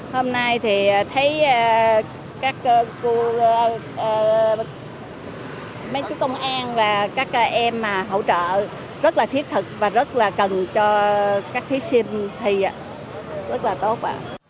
hôm nay thì thấy các chú công an và các em hỗ trợ rất là thiết thực và rất là cần cho các thí sinh thi rất là tốt